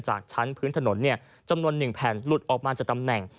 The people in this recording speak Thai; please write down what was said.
จากชั้นพื้นถนนจำนวน๑แผ่นหลุดออกมาจากตำแหน่ง